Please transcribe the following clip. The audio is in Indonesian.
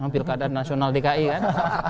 pilkada nasional dki kan